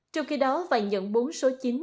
trong khi đó vàng nhận bốn số chính